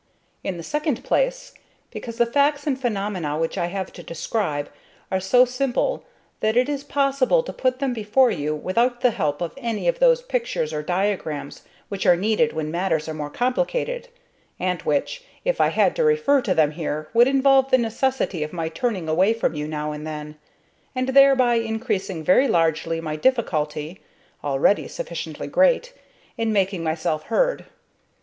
In the second place, because the facts and phenomena which I have to describe are so simple that it is possible to put them before you without the help of any of those pictures or diagrams which are needed when matters are more complicated, and which, if I had to refer to them here, would involve the necessity of my turning away from you now and then, and thereby increasing very largely my difficulty (already sufficiently great) in making myself heard.